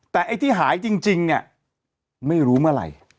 แต่ไอ้ที่หายจริงเนี่ยไม่รู้เมื่อไหร่